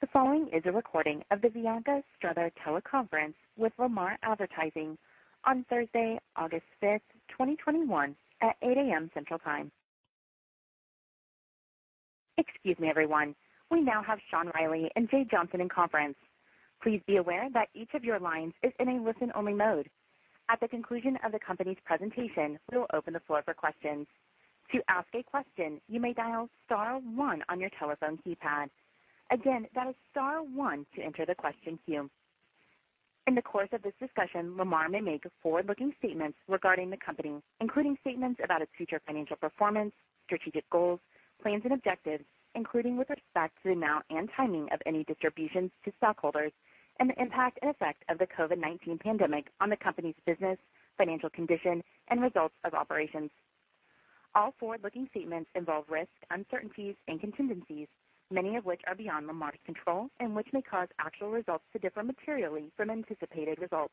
Welcome to Lamar Advertising. The following is a recording of the Lamar Advertising Teleconference with Lamar Advertising on Thursday, August 5th, 2021 at 8:00 AM Central time. Good morning everyone. We now have Sean Reilly and Jay Johnson in conference. Please be aware that each of your lines is in a listen-only mode. At the conclusion of the company's presentation, we will open the floor for questions. To ask a question, you may dial star one on your telephone keypad. Again, that is star one to enter the question queue. In the course of this discussion, Lamar may make forward-looking statements regarding the company, including statements about its future financial performance, strategic goals, plans, and objectives, including with respect to the amount and timing of any distributions to stockholders, and the impact and effect of the COVID-19 pandemic on the company's business, financial condition, and results of operations. All forward-looking statements involve risks, uncertainties, and contingencies, many of which are beyond Lamar's control and which may cause actual results to differ materially from anticipated results.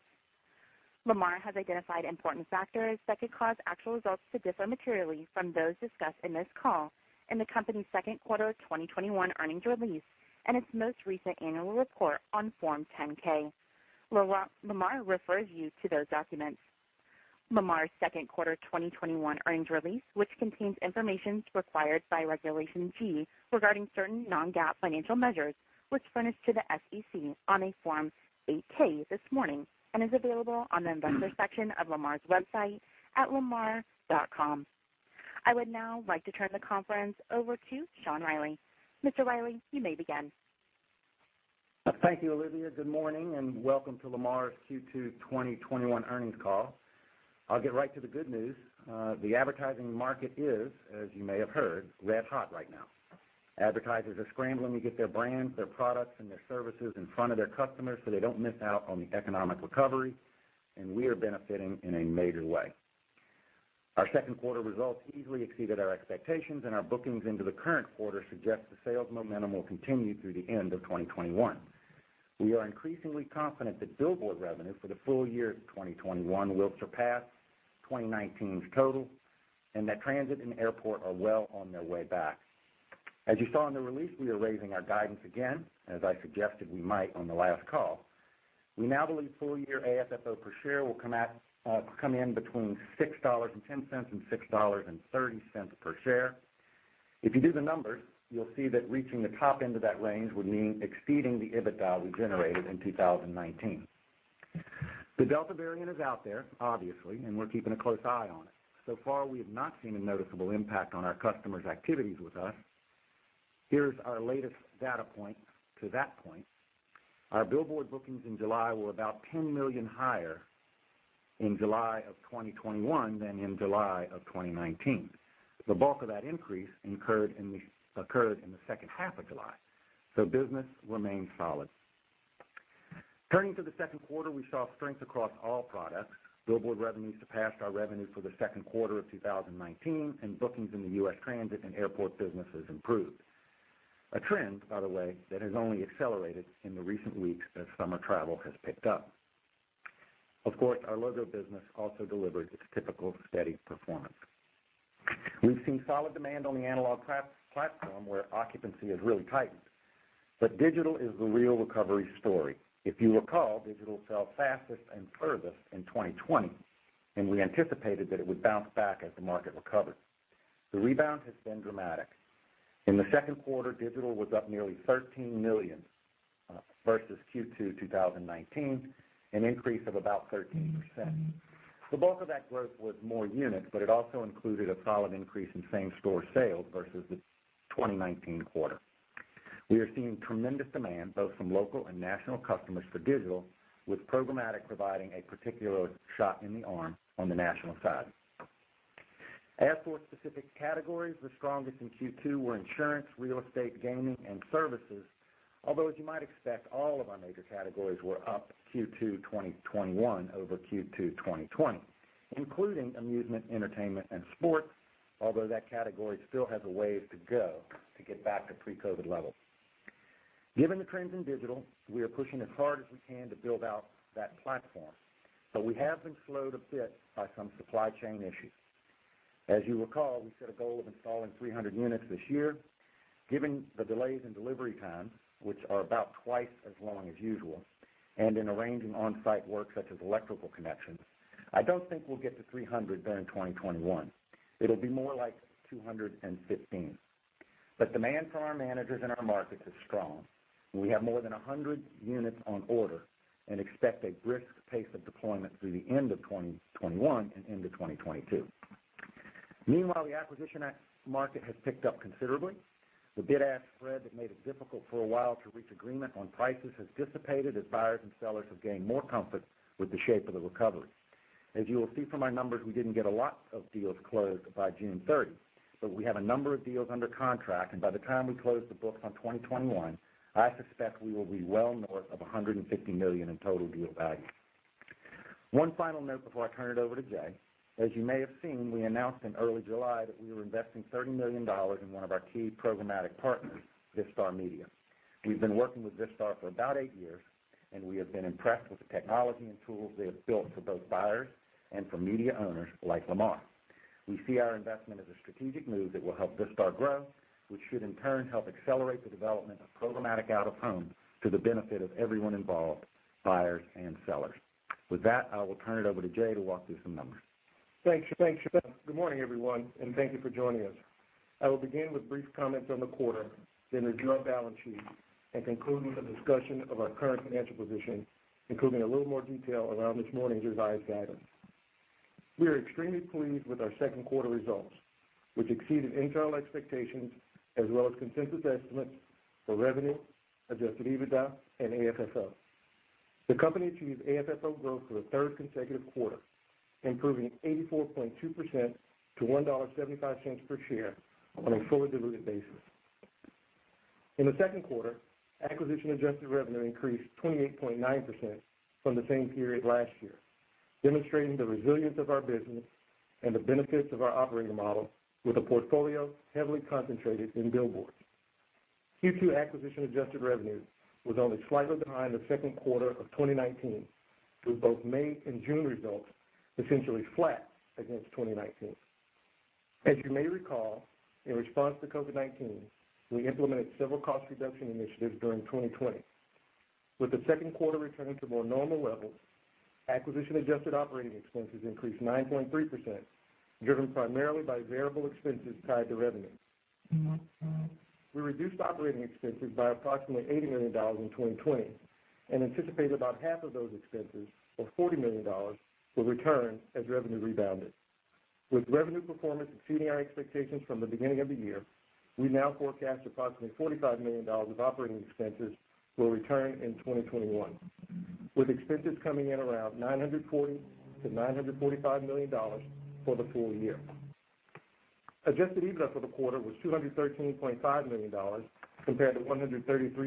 Lamar has identified important factors that could cause actual results to differ materially from those discussed in this call in the company's Q2 2021 earnings release and its most recent annual report on Form 10-K. Lamar refers you to those documents. Lamar's Q2 2021 earnings release, which contains information required by Regulation G regarding certain non-GAAP financial measures, was furnished to the SEC on a Form 8-K this morning and is available on the investor section of Lamar's website at lamar.com. I would now like to turn the conference over to Sean Reilly. Mr. Reilly, you may begin. Thank you, Olivia. Good morning, and welcome to Lamar's Q2 2021 Earnings Call. I'll get right to the good news. The advertising market is, as you may have heard, red hot right now. Advertisers are scrambling to get their brands, their products, and their services in front of their customers so they don't miss out on the economic recovery, and we are benefiting in a major way. Our Q2 results easily exceeded our expectations, and our bookings into the current quarter suggest the sales momentum will continue through the end of 2021. We are increasingly confident that billboard revenue for the full year 2021 will surpass 2019's total and that transit and airport are well on their way back. As you saw in the release, we are raising our guidance again, as I suggested we might on the last call. We now believe full-year AFFO per share will come in between $6.10 and $6.30 per share. If you do the numbers, you'll see that reaching the top end of that range would mean exceeding the EBITDA we generated in 2019. The Delta variant is out there, obviously, and we're keeping a close eye on it. So far, we have not seen a noticeable impact on our customers' activities with us. Here's our latest data point to that point. Our billboard bookings in July were about $10 million higher in July of 2021 than in July of 2019. The bulk of that increase occurred in the H2 of July, so business remains solid. Turning to the Q2, we saw strength across all products. Billboard revenues surpassed our revenue for the Q2 of 2019, and bookings in the U.S. transit and airport businesses improved. A trend, by the way, that has only accelerated in the recent weeks as summer travel has picked up. Of course, our logo business also delivered its typical steady performance. We've seen solid demand on the analog platform, where occupancy has really tightened, but digital is the real recovery story. If you recall, digital fell fastest and furthest in 2020, and we anticipated that it would bounce back as the market recovered. The rebound has been dramatic. In the Q2, digital was up nearly $13 million versus Q2 2019, an increase of about 13%. The bulk of that growth was more units, but it also included a solid increase in same-store sales versus the 2019 quarter. We are seeing tremendous demand both from local and national customers for digital, with programmatic providing a particular shot in the arm on the national side. As for specific categories, the strongest in Q2 were insurance, real estate, gaming, and services. Although, as you might expect, all of our major categories were up Q2 2021 over Q2 2020, including amusement, entertainment, and sports, although that category still has a way to go to get back to pre-COVID levels. Given the trends in digital, we are pushing as hard as we can to build out that platform, but we have been slowed a bit by some supply chain issues. As you recall, we set a goal of installing 300 units this year. Given the delays in delivery times, which are about twice as long as usual, and in arranging on-site work such as electrical connections, I don't think we'll get to 300 during 2021. It'll be more like 215. Demand from our managers in our markets is strong. We have more than 100 units on order and expect a brisk pace of deployment through the end of 2021 and into 2022. The acquisition market has picked up considerably. The bid-ask spread that made it difficult for a while to reach agreement on prices has dissipated as buyers and sellers have gained more comfort with the shape of the recovery. As you will see from our numbers, we didn't get a lot of deals closed by June 30, but we have a number of deals under contract, and by the time we close the books on 2021, I suspect we will be well north of $150 million in total deal value. One final note before I turn it over to Jay. As you may have seen, we announced in early July that we were investing $30 million in one of our key programmatic partners, Vistar Media. We've been working with Vistar for about eight years, and we have been impressed with the technology and tools they have built for both buyers and for media owners like Lamar. We see our investment as a strategic move that will help Vistar grow, which should in turn help accelerate the development of programmatic out-of-home to the benefit of everyone involved, buyers and sellers. With that, I will turn it over to Jay to walk through some numbers. Thanks, Sean. Good morning, everyone, and thank you for joining us. I will begin with brief comments on the quarter, then the balance sheet, and conclude with a discussion of our current financial position, including a little more detail around this morning's revised guidance. We are extremely pleased with our Q2 results, which exceeded internal expectations as well as consensus estimates for revenue, adjusted EBITDA, and AFFO. The company achieved AFFO growth for the third consecutive quarter, improving 84.2% to $1.75 per share on a fully diluted basis. In Q2, acquisition adjusted revenue increased 28.9% from the same period last year, demonstrating the resilience of our business and the benefits of our operating model with a portfolio heavily concentrated in billboards. Q2 acquisition adjusted revenue was only slightly behind Q2 2019, with both May and June results essentially flat against 2019. As you may recall, in response to COVID-19, we implemented several cost reduction initiatives during 2020. With the Q2 returning to more normal levels, acquisition adjusted operating expenses increased 9.3%, driven primarily by variable expenses tied to revenue. We reduced operating expenses by approximately $80 million in 2020 and anticipate about half of those expenses, or $40 million, will return as revenue rebounded. With revenue performance exceeding our expectations from the beginning of the year, we now forecast approximately $45 million of operating expenses will return in 2021, with expenses coming in around $940 million-$945 million for the full year. Adjusted EBITDA for the quarter was $213.5 million compared to $133.2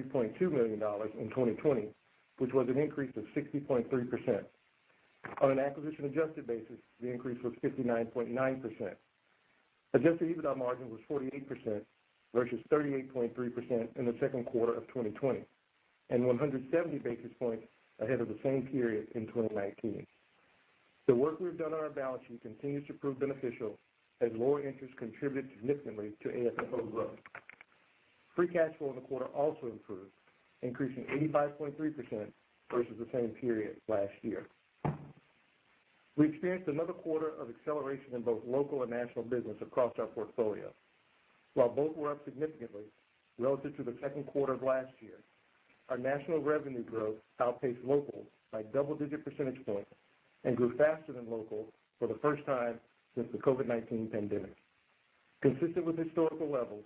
million in 2020, which was an increase of 60.3%. On an acquisition adjusted basis, the increase was 59.9%. Adjusted EBITDA margin was 48% versus 38.3% in the Q2 of 2020, and 170 basis points ahead of the same period in 2019. The work we've done on our balance sheet continues to prove beneficial as lower interest contributed significantly to AFFO growth. Free cash flow in the quarter also improved, increasing 85.3% versus the same period last year. We experienced another quarter of acceleration in both local and national business across our portfolio. While both were up significantly relative to the Q2 of last year, our national revenue growth outpaced local by double-digit percentage points and grew faster than local for the first time since the COVID-19 pandemic. Consistent with historical levels,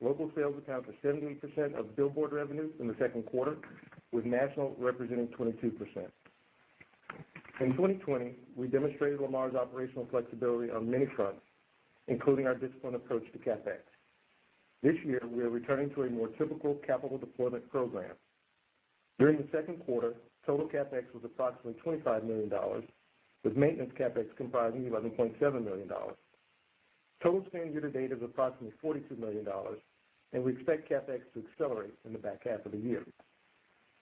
local sales account for 78% of billboard revenue in the Q2, with national representing 22%. In 2020, we demonstrated Lamar's operational flexibility on many fronts, including our disciplined approach to CapEx. This year, we are returning to a more typical capital deployment program. During the Q2, total CapEx was approximately $25 million, with maintenance CapEx comprising $11.7 million. Total spend year to date is approximately $42 million. We expect CapEx to accelerate in the back half of the year.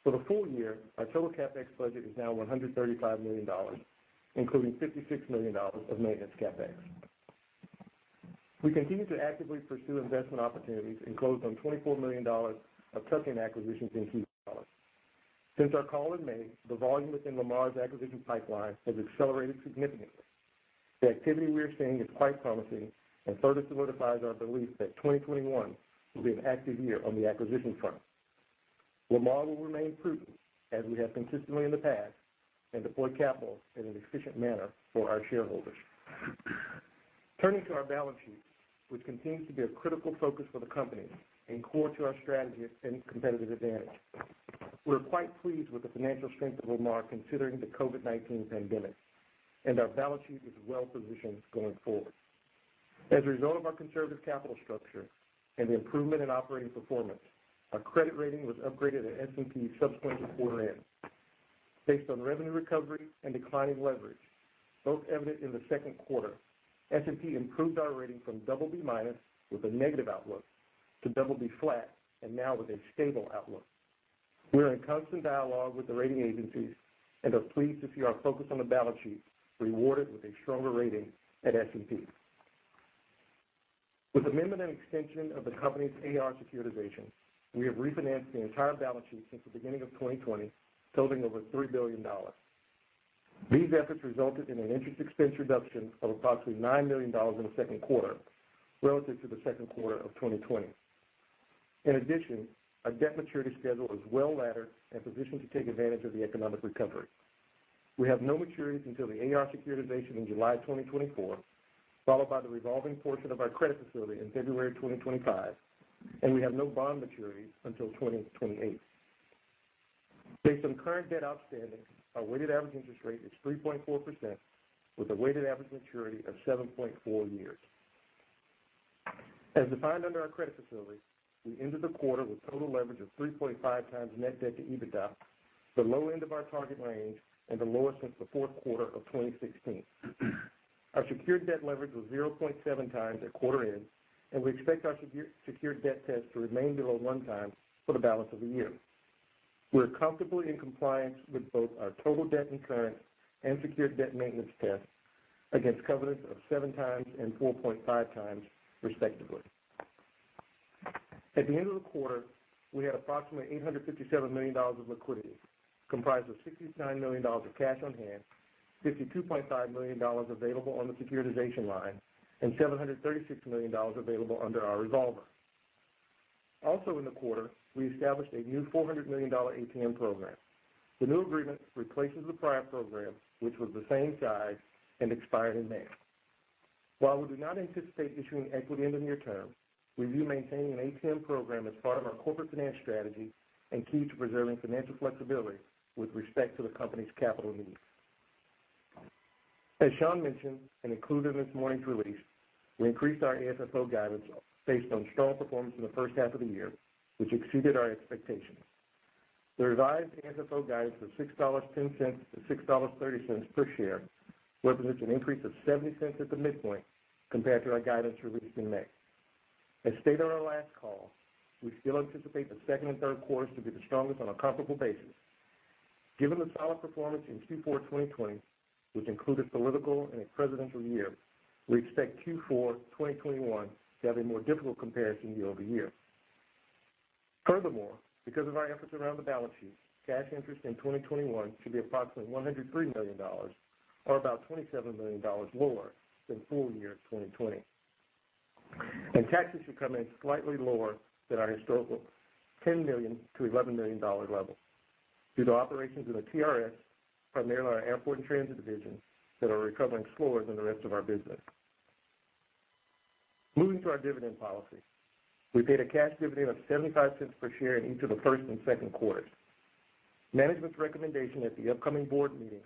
For the full year, our total CapEx budget is now $135 million, including $56 million of maintenance CapEx. We continue to actively pursue investment opportunities and closed on $24 million of tuck-in acquisitions in Q2. Since our call in May, the volume within Lamar's acquisition pipeline has accelerated significantly. The activity we are seeing is quite promising and further solidifies our belief that 2021 will be an active year on the acquisition front. Lamar will remain prudent, as we have consistently in the past, and deploy capital in an efficient manner for our shareholders. Turning to our balance sheet, which continues to be a critical focus for the company and core to our strategy and competitive advantage. We're quite pleased with the financial strength of Lamar considering the COVID-19 pandemic, and our balance sheet is well positioned going forward. As a result of our conservative capital structure and the improvement in operating performance, our credit rating was upgraded at S&P subsequent to quarter end. Based on revenue recovery and declining leverage, both evident in the Q2, S&P improved our rating from BB- with a negative outlook to BB flat, and now with a stable outlook. We are in constant dialogue with the rating agencies and are pleased to see our focus on the balance sheet rewarded with a stronger rating at S&P. With amendment and extension of the company's AR securitization, we have refinanced the entire balance sheet since the beginning of 2020, totaling over $3 billion. These efforts resulted in an interest expense reduction of approximately $9 million in the Q2 relative to the Q2 of 2020. Our debt maturity schedule is well-laddered and positioned to take advantage of the economic recovery. We have no maturities until the AR securitization in July 2024, followed by the revolving portion of our credit facility in February 2025, and we have no bond maturities until 2028. Based on current debt outstanding, our weighted average interest rate is 3.4% with a weighted average maturity of 7.4 years. As defined under our credit facility, we ended the quarter with total leverage of 3.5x net debt to EBITDA, the low end of our target range and the lowest since the Q4 of 2016. Our secured debt leverage was 0.7x at the quarter end. We expect our secured debt test to remain below 1x for the balance of the year. We're comfortably in compliance with both our total debt incurred and secured debt maintenance test against covenants of 7x and 4.5x, respectively. At the end of the quarter, we had approximately $857 million of liquidity, comprised of $69 million of cash on hand, $52.5 million available on the securitization line, and $736 million available under our revolver. In the quarter, we established a new $400 million ATM program. The new agreement replaces the prior program, which was the same size and expired in May. While we do not anticipate issuing equity in the near term, we view maintaining an ATM program as part of our corporate finance strategy and key to preserving financial flexibility with respect to the company's capital needs. As Sean mentioned and included in this morning's release, we increased our AFFO guidance based on strong performance in the first half of the year, which exceeded our expectations. The revised AFFO guidance of $6.10-$6.30 per share represents an increase of $0.70 at the midpoint compared to our guidance released in May. As stated on our last call, we still anticipate the second and Q3s to be the strongest on a comparable basis. Given the solid performance in Q4 2020, which included political and a presidential year, we expect Q4 2021 to have a more difficult comparison year-over-year. Furthermore, because of our efforts around the balance sheet, cash interest in 2021 should be approximately $103 million or about $27 million lower than full year 2020. Taxes should come in slightly lower than our historical $10 million-$11 million level due to operations in the TRS, primarily our airport and transit division, that are recovering slower than the rest of our business. Moving to our dividend policy. We paid a cash dividend of $0.75 per share in each of the first and Q2s. Management's recommendation at the upcoming board meeting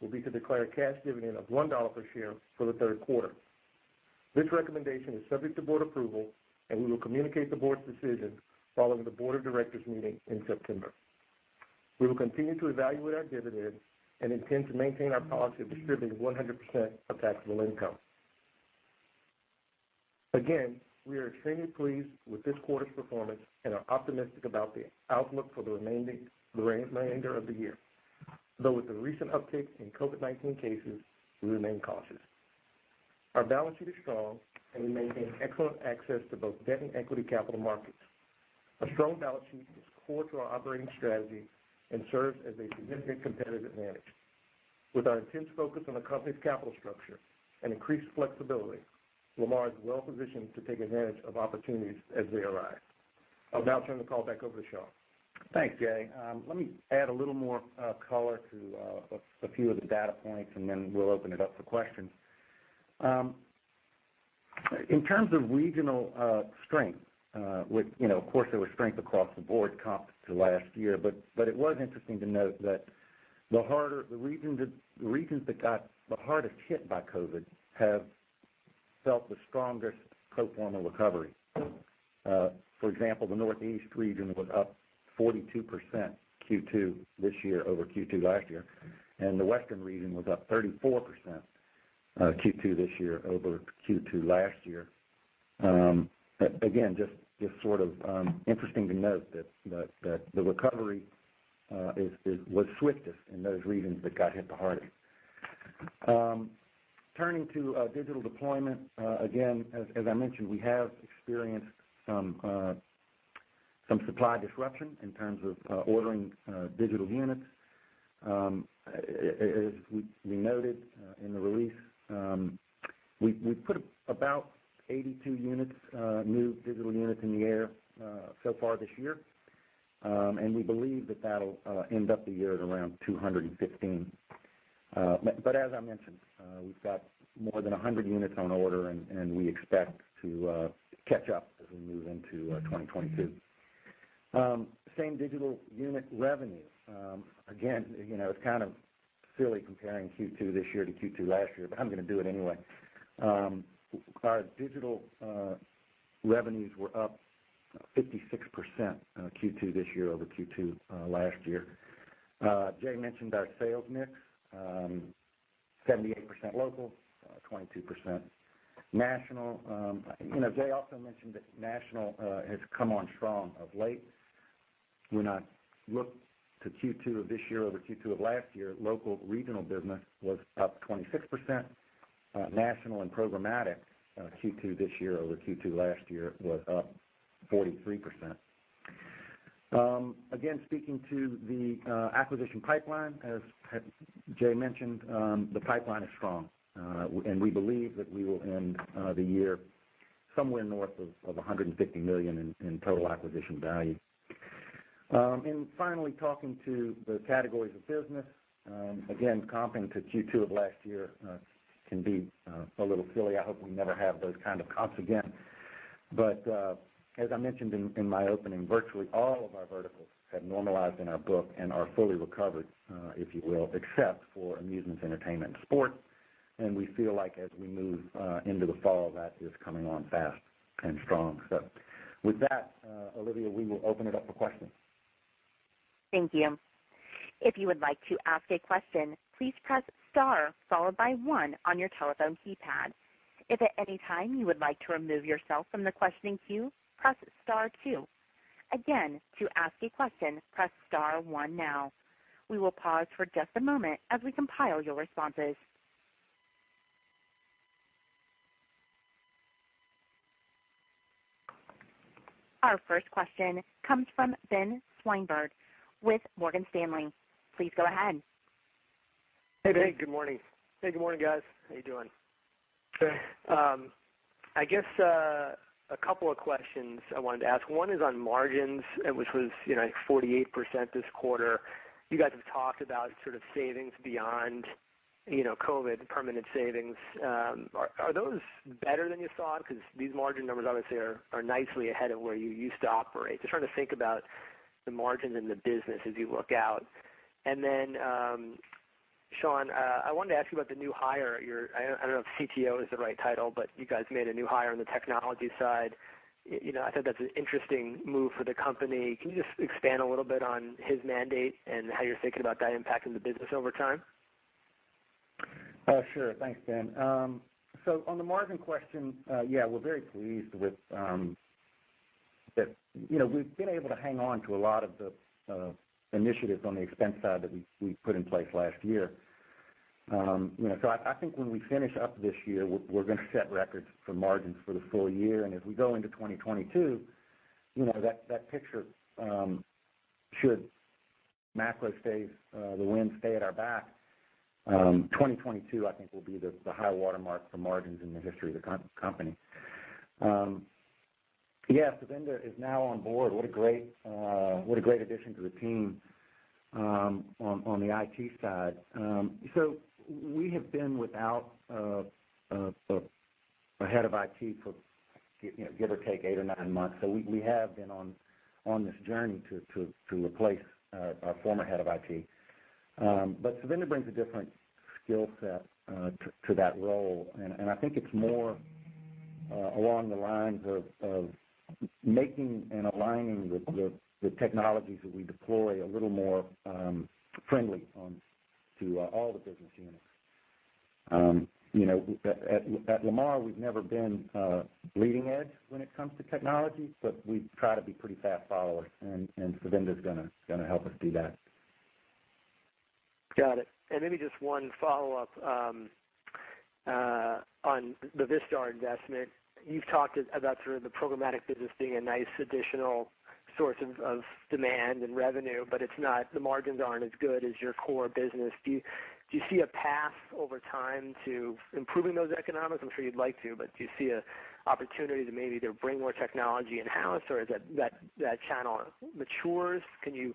will be to declare a cash dividend of $1 per share for the Q3. This recommendation is subject to board approval. We will communicate the board's decision following the board of directors meeting in September. We will continue to evaluate our dividend and intend to maintain our policy of distributing 100% of taxable income. Again, we are extremely pleased with this quarter's performance and are optimistic about the outlook for the remainder of the year. Though with the recent uptick in COVID-19 cases, we remain cautious. Our balance sheet is strong, and we maintain excellent access to both debt and equity capital markets. A strong balance sheet is core to our operating strategy and serves as a significant competitive advantage. With our intense focus on the company's capital structure and increased flexibility, Lamar is well-positioned to take advantage of opportunities as they arise. I'll now turn the call back over to Sean. Thanks, Jay. Let me add a little more color to a few of the data points, and then we'll open it up for questions. In terms of regional strength, of course, there was strength across the board comp to last year, but it was interesting to note that the regions that got the hardest hit by COVID-19 have felt the strongest pro forma recovery. For example, the Northeast region was up 42% Q2 this year over Q2 last year, and the Western region was up 34% Q2 this year over Q2 last year. Again, just interesting to note that the recovery was swiftest in those regions that got hit the hardest. Turning to digital deployment, again, as I mentioned, we have experienced some supply disruption in terms of ordering digital units. We noted in the release, we put about 82 new digital units in the air so far this year. We believe that that'll end up the year at around 215. As I mentioned, we've got more than 100 units on order, and we expect to catch up as we move into 2022. Same digital unit revenue. Again, it's kind of silly comparing Q2 this year to Q2 last year, but I'm going to do it anyway. Our digital revenues were up 56% Q2 this year over Q2 last year. Jay mentioned our sales mix, 78% local, 22% national. Jay also mentioned that national has come on strong of late. When I look to Q2 of this year over Q2 of last year, local regional business was up 26%. National and programmatic Q2 this year over Q2 last year was up 43%. Again, speaking to the acquisition pipeline, as Jay mentioned, the pipeline is strong. We believe that we will end the year somewhere north of $150 million in total acquisition value. Finally, talking to the categories of business. Again, comping to Q2 of last year can be a little silly. I hope we never have those kind of comps again. As I mentioned in my opening, virtually all of our verticals have normalized in our book and are fully recovered, if you will, except for amusements, entertainment, and sports. We feel like as we move into the fall, that is coming on fast and strong. With that, Olivia, we will open it up for questions. Thank you. If you would like to ask a question, please press star, followed by one on your telephone keypad. If at any time you would like to remove yourself from the question queue, press star, again, to ask a question, press star, one now. We will pause for just a moment as we compile your responses. Our first question comes from Benjamin Swinburne with Morgan Stanley. Please go ahead. Hey, Ben. Good morning. Hey, good morning, guys. How are you doing? Good. I guess a couple of questions I wanted to ask. One is on margins, which was 48% this quarter. You guys have talked about sort of savings beyond COVID, permanent savings. Are those better than you thought? These margin numbers obviously are nicely ahead of where you used to operate. Just trying to think about the margins in the business as you look out. Sean, I wanted to ask you about the new hire. I don't know if CTO is the right title, you guys made a new hire on the technology side. I thought that's an interesting move for the company. Can you just expand a little bit on his mandate and how you're thinking about that impacting the business over time? Sure. Thanks, Ben. On the margin question, yeah, we're very pleased that we've been able to hang on to a lot of the initiatives on the expense side that we put in place last year. I think when we finish up this year, we're going to set records for margins for the full year. As we go into 2022, that picture should, macro stays, the winds stay at our back, 2022, I think, will be the high watermark for margins in the history of the company. Yeah, Savinda is now on board. What a great addition to the team on the IT side. We have been without a head of IT for give or take eight or nine months. We have been on this journey to replace our former head of IT. Savinda brings a different skill set to that role, and I think it's more along the lines of making and aligning the technologies that we deploy a little more friendly to all the business units. At Lamar, we've never been bleeding edge when it comes to technology, but we try to be pretty fast followers, and Savinda is going to help us do that. Got it. Maybe just one follow-up on the Vistar investment. You've talked about sort of the programmatic business being a nice additional source of demand and revenue, but the margins aren't as good as your core business. Do you see a path over time to improving those economics? I'm sure you'd like to, but do you see an opportunity to maybe either bring more technology in-house, or as that channel matures, can you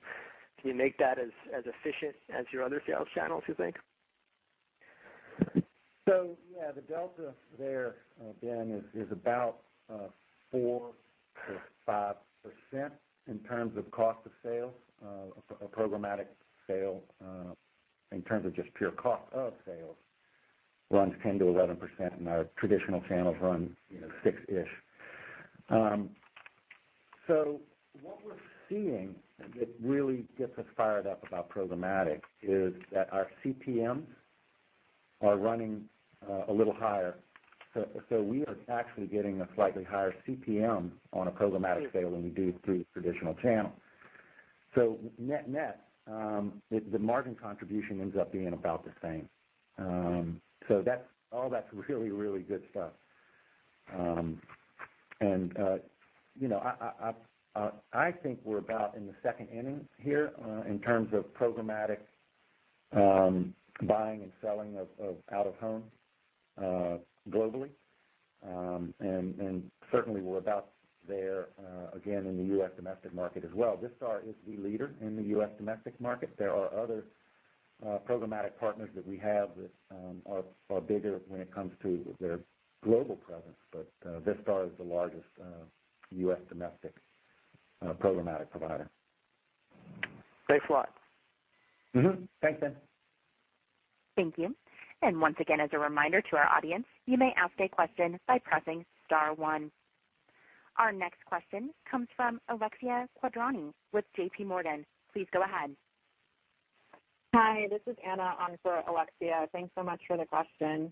make that as efficient as your other sales channels, you think? Yeah, the delta there, Ben, is about 4% or 5% in terms of cost of sales. A programmatic sale in terms of just pure cost of sales runs 10%-11%, and our traditional channels run six-ish. What we're seeing that really gets us fired up about programmatic is that our CPMs are running a little higher. We are actually getting a slightly higher CPM on a programmatic sale than we do through the traditional channel. Net-net, the margin contribution ends up being about the same. All that's really, really good stuff. I think we're about in the second inning here in terms of programmatic buying and selling of out-of-home globally, and certainly we're about there again in the U.S. domestic market as well. Vistar is the leader in the U.S. domestic market. There are other programmatic partners that we have that are bigger when it comes to their global presence. Vistar is the largest U.S. domestic programmatic provider. Thanks a lot. Mm-hmm. Thanks, Ben. Thank you. Once again, as a reminder to our audience, you may ask a question by pressing star one. Our next question comes from Alexia Quadrani with JPMorgan. Please go ahead. Hi, this is Anna on for Alexia. Thanks so much for the question.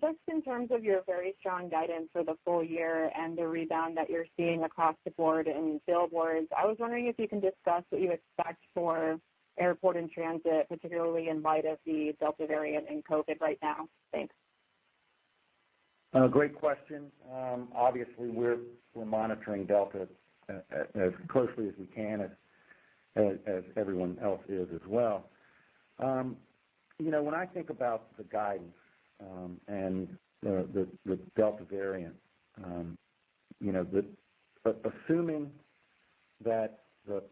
Just in terms of your very strong guidance for the full year and the rebound that you're seeing across the board in billboards, I was wondering if you can discuss what you expect for airport and transit, particularly in light of the Delta variant and COVID right now. Thanks. Great question. Obviously, we're monitoring Delta as closely as we can, as everyone else is as well. When I think about the guidance and the Delta variant, assuming that the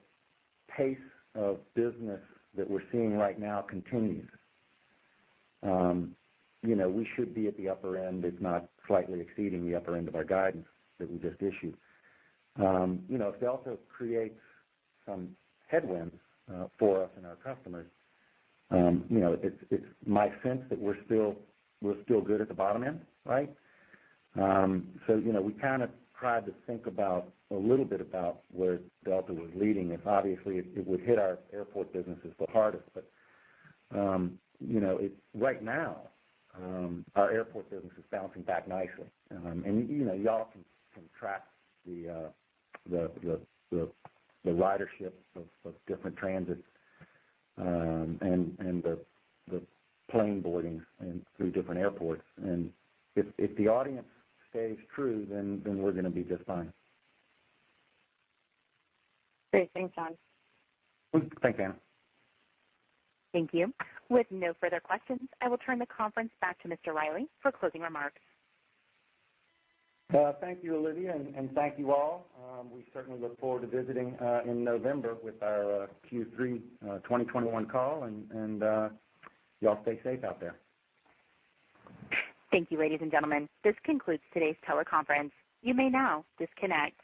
pace of business that we're seeing right now continues, we should be at the upper end, if not slightly exceeding the upper end of our guidance that we just issued. If Delta creates some headwinds for us and our customers, it's my sense that we're still good at the bottom end, right? We kind of tried to think a little bit about where Delta was leading. If obviously it would hit our airport businesses the hardest. Right now, our airport business is bouncing back nicely. You all can track the ridership of different transit and the plane boarding through different airports. If the audience stays true, then we're going to be just fine. Great. Thanks, Sean. Thanks, Anna. Thank you. With no further questions, I will turn the conference back to Mr. Reilly for closing remarks. Thank you, Olivia, and thank you all. We certainly look forward to visiting in November with our Q3 2021 call. You all stay safe out there. Thank you, ladies and gentlemen. This concludes today's teleconference. You may now disconnect.